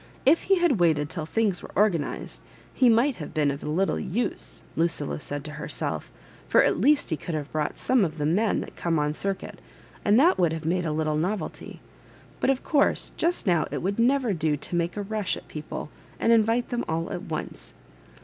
"If he had waited till things were organised, he might have been of a little use," Lucilla said to herself; " for at least he could have brought some of the men that come on circuit, and that would have made a little novelty ; but, of course, just now it would never do to make a rush at people, and invite them all at once."